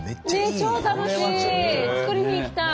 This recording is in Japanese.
超楽しい！